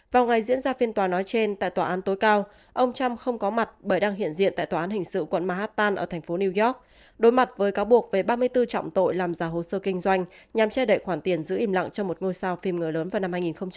vào ngày diễn ra phiên tòa nói trên tại tòa án tối cao ông trump không có mặt bởi đang hiện diện tại tòa án hình sự quận mahatan ở thành phố new york đối mặt với cáo buộc về ba mươi bốn trọng tội làm giả hồ sơ kinh doanh nhằm che đậy khoản tiền giữ im lặng cho một ngôi sao phim người lớn vào năm hai nghìn một mươi